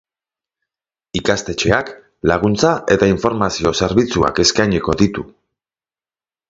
Ikastetxeak laguntza eta informazio zerbitzuak eskainiko ditu.